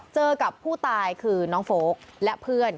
กับผู้ตายคือน้องโฟลกและเพื่อน